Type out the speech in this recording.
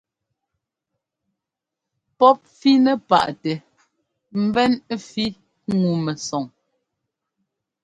Pɔ́p fínɛ́ paʼtɛ mbɛ́n ɛ́fí ŋu mɛsɔng.